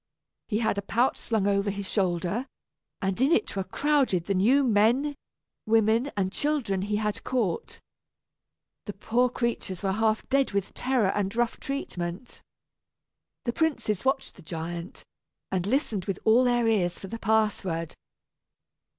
He had a pouch slung over his shoulder, and in it were crowded the new men, women, and children he had caught. The poor creatures were half dead with terror and rough treatment. The princes watched the giant, and listened with all their ears for the password.